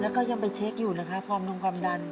แล้วก็ยังไปเช็คอยู่นะครับความลงความดัน